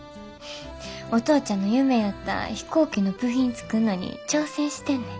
お父ちゃんの夢やった飛行機の部品作んのに挑戦してんねん。